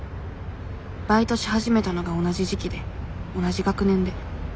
バイトし始めたのが同じ時期で同じ学年で。